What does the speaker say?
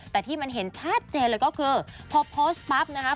แต่ที่มันเห็นชัดเจนเลยก็คือพอโพสต์ปั๊บนะคะ